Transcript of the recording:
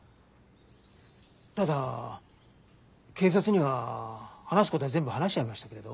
ただ警察には話すことは全部話しちゃいましたけれど。